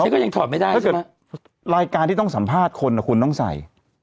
ถ้าเกิดรายการที่ต้องสัมภาษณ์คนคุณต้องใส่